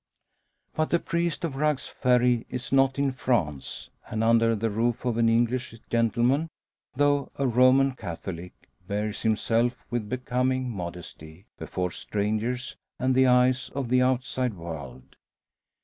But the priest of Rugg's Ferry is not in France; and, under the roof of an English gentleman, though a Roman Catholic, bears himself with becoming modesty before strangers and the eyes of the outside world.